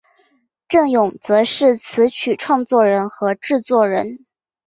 振永则是词曲创作人和制作人。